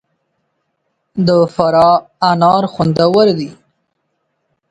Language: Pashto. د فراه انار خوندور دي